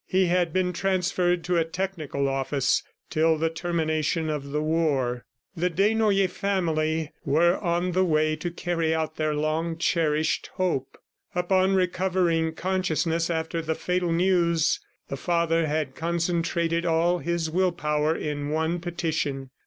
He had been transferred to a technical office till the termination of the war. The Desnoyers family were on the way to carry out their long cherished hope. Upon recovering consciousness after the fatal news, the father had concentrated all his will power in one petition.